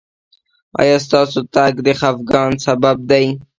ایا ستاسو تګ د خفګان سبب دی؟